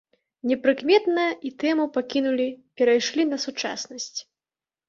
Непрыкметна і тэму пакінулі, перайшлі на сучаснасць.